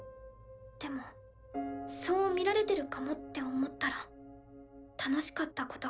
でもそう見られてるかもって思ったら楽しかったことが好きだったものが